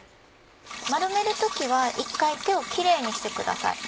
丸める時は一回手をキレイにしてください。